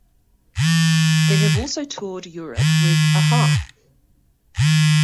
They have also toured Europe with a-ha.